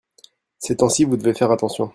ces temps-ci vous devez faire attention.